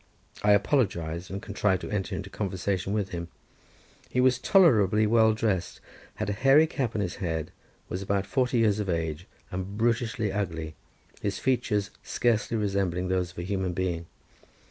I apologized, and contrived to enter into conversation with him. He was tolerably well dressed, had a hairy cap on his head, was about forty years of age, and brutishly ugly, his features scarcely resembling those of a human being.